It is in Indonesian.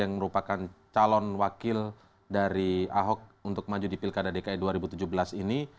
yang merupakan calon wakil dari ahok untuk maju di pilkada dki dua ribu tujuh belas ini